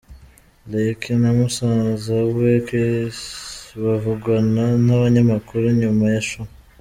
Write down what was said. Lil Key na musaza we Chis bavugana n'abanyamakuru nyuma ya show.